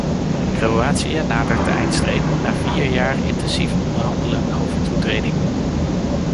Kroatië nadert de eindstreep na vier jaar intensief onderhandelen over toetreding.